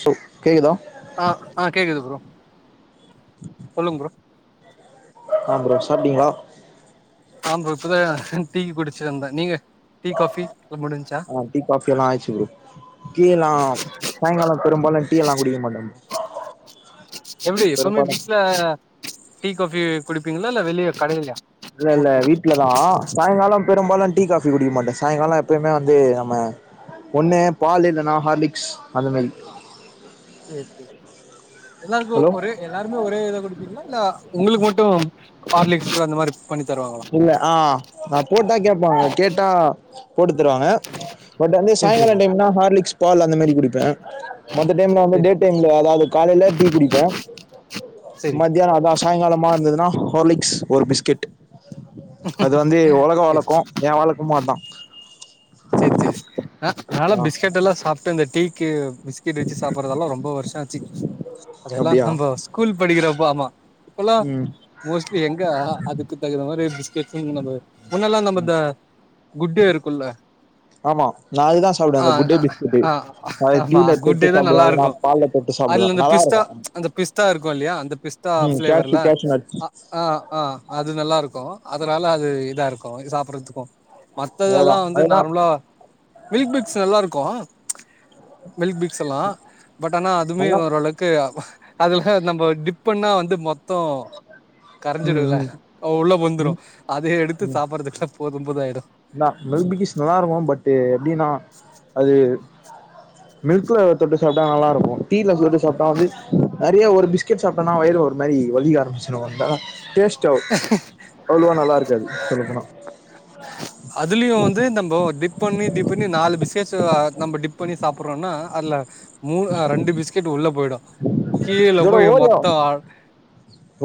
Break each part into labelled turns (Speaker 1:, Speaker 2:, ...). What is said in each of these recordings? Speaker 1: So கேக்குதா
Speaker 2: ஆ ஆ கேக்குது ப்ரோ சொல்லுங் ப்ரோ
Speaker 1: ஆ ப்ரோ சாப்டீங்ளா
Speaker 2: ஆம் ப்ரோ இப்பதா டீ குடிச்சு வந்த நீங்க டீ காஃபி உங் முடின்ச்சா
Speaker 1: டீ காஃபி எல்லா ஆய்ட்ச்சு ப்ரோ டீயெல்லா சாய்ங்காலோ பெரும்பாலு டீயெல்லா குடிக்க மாட்ட
Speaker 2: எப்டி எப்பவ்மே வீட்ல டீ காஃபி குடிப்பீங்குளா இல்ல வெளிய கடைல்யா
Speaker 1: இல்ல இல்ல வீட் வீட்லதா சாய்ங்காலோ பெரும்பாலு டீ காபி குடிக்க மாட்டே சாய்ங்காலோ எப்பயுமே வந்து நம்ம ஒண்ணு பாலே இல்லனா ஹார்லிக்ஸ் அது மாரி
Speaker 2: சேர் செரி எல்லாருக்கு
Speaker 1: ஹலோ
Speaker 2: ஒரே எல்லாருமே ஒரே இத குடுப்பீங்களா இல்ல ஒங்களுக்கு மட்டு ஹார்லிக்ஸ் அந்த மாரி குக் பண்ணி தருவாங்களா
Speaker 1: இல்ல ஆ நா போட்டா கேப்பாங்க கேட்டா போட்டு தருவாங்க பட் வந்து
Speaker 2: சேரி
Speaker 1: சாய்ங்காலோ
Speaker 2: சேரி
Speaker 1: டைம்னா ஹார்லிக்ஸ் பால் அந்த மாரி குடிப்பே மத்த டைம்ல வந்து
Speaker 2: சேரி
Speaker 1: டே டைம்ல அதாவது காலேல டீ குடிப்பே
Speaker 2: சேரி
Speaker 1: மதியானோ அதா சாய்ங்காலமா இருந்ததுனா ஹார்லிக்ஸ் ஒரு பிஸ்கெட்டு அது வந்து ஒலக
Speaker 2: சேரி
Speaker 1: வழக்கோ ஏ வழக்கமு அதா
Speaker 2: சேர் சேரி ஆ நாலா
Speaker 1: ஆ
Speaker 2: பிஸ்கெட்டெல்லா சாப்டு அந்த டீக்கு பிஸ்கெட் வச்சு சாப்பற்றதல்லா ரொம்ப வருஷோ ஆச்சு அதல்லா
Speaker 1: அப்டியா
Speaker 2: நம்போ ஸ்கூல் படிக்கிறப்போ ஆமா இப்பலா
Speaker 1: ம்
Speaker 2: மோஸ்ட்லி எங்க அதுக்கு தகுந்த மாரி பிஸ்கெட்ஸு என்னது முன்னல்லா நம்ம அந்த குட்டே இருக்குல்ல
Speaker 1: ஆமா நா அதுதா சாப்டுவே
Speaker 2: ஆ
Speaker 1: அந்த குட்டே பிஸ்கட்டு
Speaker 2: ஆ
Speaker 1: அதுல
Speaker 2: ஆமா
Speaker 1: டீல தொட்டு
Speaker 2: குட்டே தா
Speaker 1: சாப்டுவே
Speaker 2: நல்லா
Speaker 1: இல்னா
Speaker 2: இருக்கு
Speaker 1: பால்ல தொட்டு சாப்டுவே
Speaker 2: அதுல இந்த பிஸ்தா
Speaker 1: நல்லாருக்கு
Speaker 2: அந்த பிஸ்தா இருக்கு இல்லியா அந்த பிஸ்தா ஃபிளேவர்ல
Speaker 1: கேஷ்யூ நட்ஸ்
Speaker 2: அ அ ஆ அது நல்லாருக்கு அதுனால அது இதா இருக்கு சாப்பற்றதுக்கு
Speaker 1: அதுதா
Speaker 2: மத்ததல்லா வந்
Speaker 1: அதுதா
Speaker 2: தா மில்க் பிக்கிஸ் நல்லாருக்கு மில்க் பிக்ஸ்ஸல்லா பட் ஆனா அதுமே
Speaker 1: நல்லா
Speaker 2: ஓரளக் கு அதுல நம்ப டிப் பண்ணா வந்து மொத்தோ
Speaker 1: ம்
Speaker 2: கரஞ்சுடுல
Speaker 1: ம்
Speaker 2: உள்ள பூந்துறு
Speaker 1: ம்
Speaker 2: அத எடுத்து சாப்பற்றதுக்குல்ல போதுபோது ஆய்டு
Speaker 1: னா மில்க் பிக்கீஸ் நல்லாருக்கு பட்டு எப்டினா அது மில்க்ல தொட்டு சாப்ட்டா நல்லாருக்கு டீல தொட்டு சாப்ட்டா வந்து நெறைய ஒரு பிஸ் பிஸ்கெட் சாப்டொனா வயிறு ஒரு மாரி வலிக்க ஆரம்பிச்சுடு வந்தா டேஸ்டோ அவ்ளோவா நல்லாருக்காது சொல்லப்போனா
Speaker 2: அதுலயு வந்து நம்போ டிப் டிப் பண்ணி டிப் பண்ணி நாலு பிஸ்கட்ஸ் நம்ம டிப் பண்ணி சாப்பற்றோனா அதுல மூணு ரெண்டு பிஸ்கெட் உள்ள போயிடு கீழ
Speaker 1: இதோட
Speaker 2: போய்
Speaker 1: ஓரியோ
Speaker 2: மொத்தோ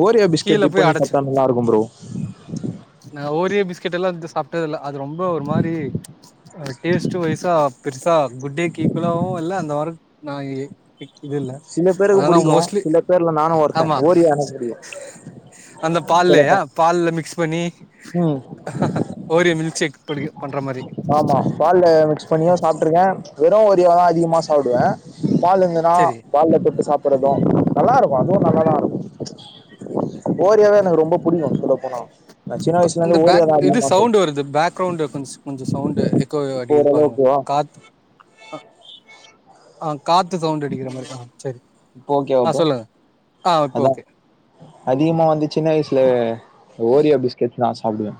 Speaker 1: ஓரியோ பிஸ்கெட்
Speaker 2: கீழ
Speaker 1: டிப்
Speaker 2: போய்
Speaker 1: பண்ணி
Speaker 2: அடச்சு
Speaker 1: சாப்டா நல்லாருக்கு ப்ரோ
Speaker 2: நா ஓரியோ பிஸ்கெட் எல்லா எடுத்து சாப்ட்டதில்ல அது ரொம்ப ஒரு மாரி அது டேஸ்ட்டு வய்சா பெருசா குட்டேக்கு ஈக்குவலாவு இல்ல அந்த வார நா இதுல்ல
Speaker 1: சில பேருக்கு
Speaker 2: அதுனால
Speaker 1: பிடிக்கும்
Speaker 2: மோஸ்ட்லி
Speaker 1: சில பேர்ல நானும் ஒருத்தன்
Speaker 2: ஆமா
Speaker 1: ஓரியோ எனக்கு பிடிக்கும்
Speaker 2: அந்த பால்லயா
Speaker 1: சொல்லப்போனா
Speaker 2: பால்ல மிக்ஸ் பண்ணி
Speaker 1: ம்
Speaker 2: ஓரியோ மில்க் ஷேக் படி பண்ற மாரி
Speaker 1: ருக்கே வெறு ஓரியோவா அதிகமா சாப்டுவே பால் இருந்ததுனா
Speaker 2: செரி
Speaker 1: பால்ல தொட்டு சாப்பற்றதூ நல்லாருக்கு அதுவு நல்லாதா இருக்கு ஓரியாவே எனக்கு ரொம்ப புடிக்கு சொல்ல போனா நா சின்ன வயசுல இருந்து ஓரியோதா அதிகமா சாப்
Speaker 2: ப்ரோ இந்த பேக்ரவுண்ட் கொஞ் கொஞ்சோ சவுண்ட்டு எக்கோ
Speaker 1: இப்போ
Speaker 2: அடிக்குது பாருங்க
Speaker 1: ஓரளவுக்கு
Speaker 2: காத்து அ ஆ காத்து சவுண்ட் அடிக்கிற மாரிதா சேரி
Speaker 1: இப்ப ஓகேவா ப்ரோ
Speaker 2: இப்ப
Speaker 1: அதா
Speaker 2: ஓகே
Speaker 1: அதிகமா வந்து சின்ன வயசுல ஓரியோ பிஸ்கெட் தா சாப்டுவே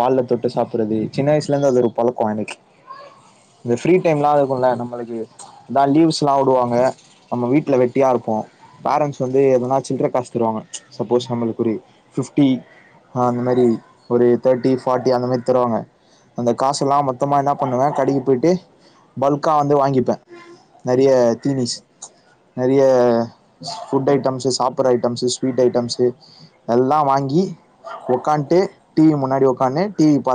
Speaker 1: பால்ல தொட்டு சாப்பற்றது சின்ன வயசுல இருந்து அது ஒரு பழக்கோ எனக்கு இந்த ஃப்ரீ டைம்ல்லா இருக்குல நம்மளுக்கு எதா லீவ்ஸ்லா வுடுவாங்க நம்ம வீட்ல வெட்டியா இருப்போ பேரண்ட்ஸ் வந்து எதனா சில்ர காசு தருவாங்க சப்போஸ் நம்மளுக்கு ஒரு ஃபிஃப்டி ஆ அந்த மாரி ஒரு தேட்டி ஃபாட்டி அந்த மாரி தருவாங்க. அந்த காசு எல்லா மொத்தமா என்ன பண்ணுவே கடைக்கு போயிட்டு பல்க்கா வந்து வாங்கிப்பே. நறிய தீனிஸ் நறிய ஸ் ஃபுட்டு ஐட்டம்ஸு சாப்பற ஐட்டம்ஸு ஸ்வீட் ஐட்டம்ஸு எல்லா வாங்கி ஒக்கான்ட்டு டி வி முன்னாடி ஒக்கான்னு டி வி பா